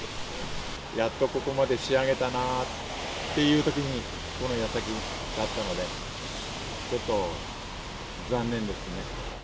やっとここまで仕上げたなっていうときに、このやさきだったので、ちょっと残念ですね。